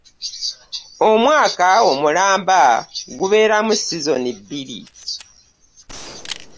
Omwaka onulamba gubeeramu sizoni bbiri.